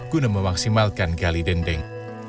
guna memaksimalkan kali dendeng